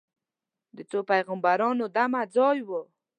د څو پیغمبرانو دمه ځای و.